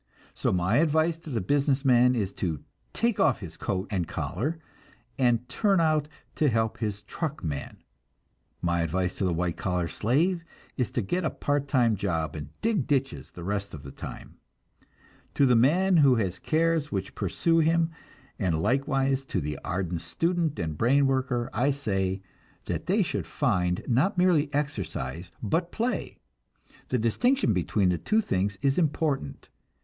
So my advice to the business man is to take off his coat and collar and turn out and help his truck man; my advice to the white collar slave is to get a part time job, and dig ditches the rest of the time. To the man who has cares which pursue him, and likewise to the ardent student and brain worker, I say that they should find, not merely exercise, but play. The distinction between the two things is important.